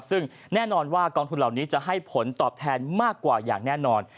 ซึ่งแน่นอนว่ากองทุนเหล่านี้จะให้ผลตอบแทนมากกว่าอย่างแน่นอน